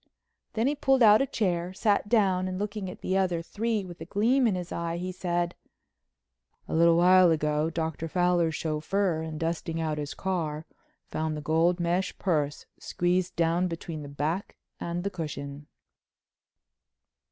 Then he pulled out a chair, sat down and, looking at the other three with a gleam in his eye, said: "A little while ago Dr. Fowler's chauffeur in dusting out his car found the gold mesh purse squeezed down between the back and the cushion."